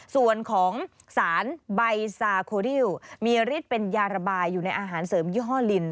ส่วนของสารใบซาโคริวมีฤทธิ์เป็นยาระบายอยู่ในอาหารเสริมยี่ห้อลิน